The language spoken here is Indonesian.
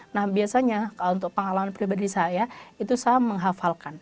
nah biasanya untuk pengalaman pribadi saya itu saya menghafalkan